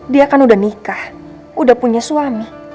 dia kan udah nikah udah punya suami